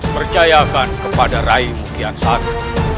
percayakan kepada rai mukiansara